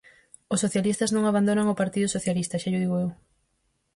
Os socialistas non abandonan o Partido Socialista, xa llo digo eu.